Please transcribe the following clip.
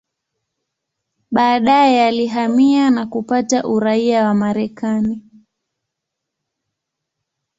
Baadaye alihamia na kupata uraia wa Marekani.